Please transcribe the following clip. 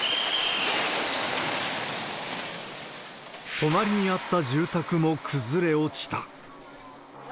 隣にあった住宅も崩れ落ちた。